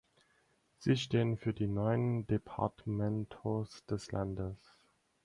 Sie stehen für die neun Departamentos des Landes.